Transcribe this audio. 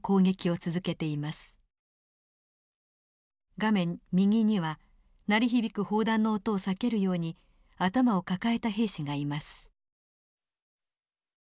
画面右には鳴り響く砲弾の音を避けるように頭を抱えた兵士がいます。